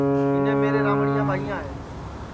اِنے میرے رمڑیاں ٻائیاں تیا